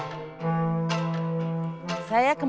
ini ada masalah kadang kadang